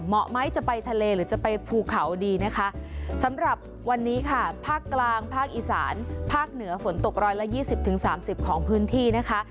เหมาะไหมจะไปทะเลหรือจะไปภูเขาดีนะคะสำหรับวันนี้ค่ะภาคกลางภาคอีสานภาคเหนือฝนตกรอยละ๒๐๓๐ของพื้นที่นะคะ